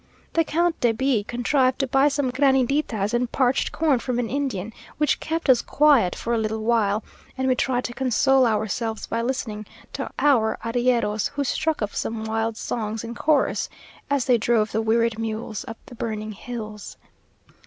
The Count de B contrived to buy some graniditas and parched corn from an Indian, which kept us quiet for a little while; and we tried to console ourselves by listening to our arrieros, who struck up some wild songs in chorus, as they drove the wearied mules up the burning hills.